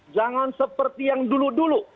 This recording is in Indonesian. jangan seperti yang dulu dulu